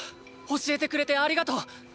教えてくれてありがとう！